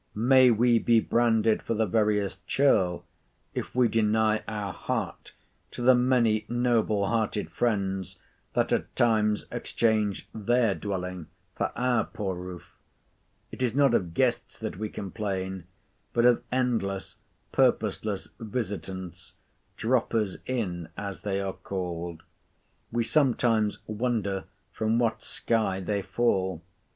May we be branded for the veriest churl, if we deny our heart to the many noble hearted friends that at times exchange their dwelling for our poor roof! It is not of guests that we complain, but of endless, purposeless visitants; droppers in, as they are called. We sometimes wonder from what sky they fall.